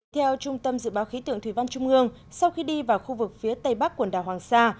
theo trung tâm dự báo khí tượng thủy văn trung ương sau khi đi vào khu vực phía tây bắc quần đảo hoàng sa